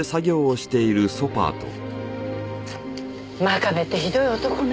真壁ってひどい男ね。